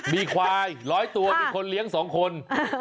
มีควาย๑๐๐ตัวมีคนเลี้ยง๒คน